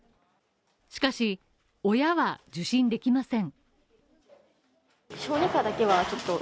しかし、親は受診できません。